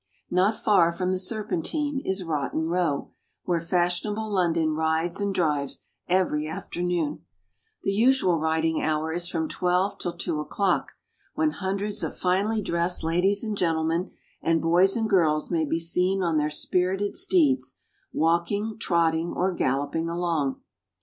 Not far from the Serpentine is Rotten Row, where fash ionable London rides and drives every afternoon. The usual riding hour is from twelve till two o'clock, when MwBP^&ffi.^ Sk&l Y W*fr^Qwm bfii ^«8 ft 1 Sy »\ i Rotten Row. hundreds of finely dressed ladies and gentlemen and boys and girls may be seen on their spirited steeds, walking, trotting, or galloping along.